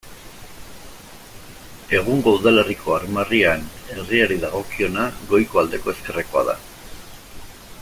Egungo udalerriko armarrian herriari dagokiona goiko aldeko ezkerrekoa da.